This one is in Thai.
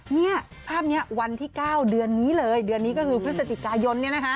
นี่ภาพนี้วันที่๙เดือนนี้เลยเดือนนี้ก็คือพฤศจิกายน